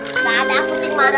tidak ada aku cipta